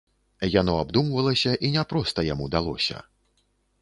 Яно абдумвалася і няпроста яму далося.